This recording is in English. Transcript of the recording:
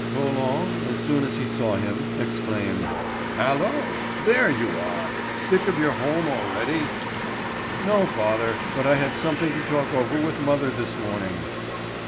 Roland, as soon as he saw him, exclaimed: "Hallo! There you are! Sick of your home already?" "No, father, but I had something to talk over with mother this morning."